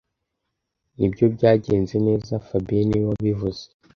Nibyo, byagenze neza fabien niwe wabivuze